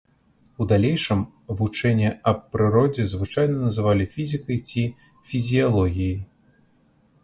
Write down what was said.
У далейшым вучэнне аб прыродзе звычайна называлі фізікай ці фізіялогіяй.